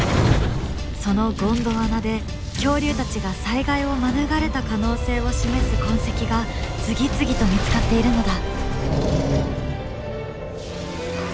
そのゴンドワナで恐竜たちが災害を免れた可能性を示す痕跡が次々と見つかっているのだ。